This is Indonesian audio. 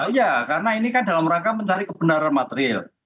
iya karena ini kan dalam rangka mencari kebenaran material